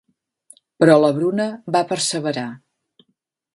Però la Bruna va perseverar.